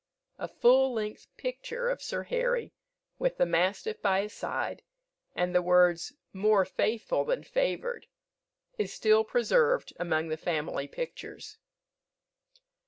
A full length picture of Sir Harry, with the mastiff by his side, and the words, "More faithful than favoured," is still preserved among the family pictures.